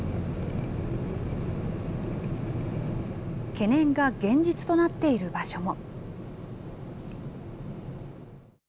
懸念が現実となっている場所も。